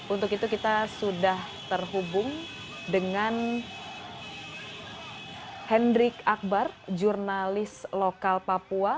untuk itu kita sudah terhubung dengan hendrik akbar jurnalis lokal papua